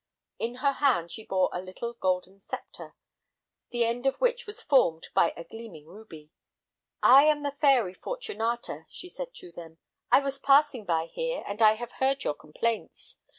In her hand she bore a little golden scepter, the end of which was formed by a gleaming ruby. "I am the Fairy Fortunata," said she to them; "I was passing by here, and I have heard your complaints.